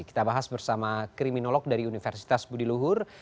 kita bahas bersama kriminolog dari universitas budiluhur